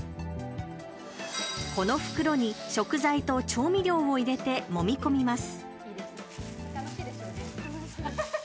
この袋に食材と調味料を入れてもみ込みます。